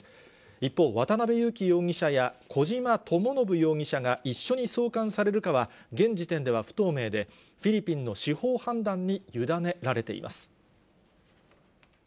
一方、渡辺優樹容疑者や小島智信容疑者が一緒に送還されるかは、現時点では不透明で、フィリピンの司法判断に委ねられています。